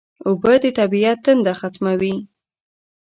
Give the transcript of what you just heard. اوبه د طبیعت تنده ختموي